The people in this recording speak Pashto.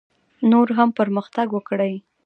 نور هم پرمختګ وکړي.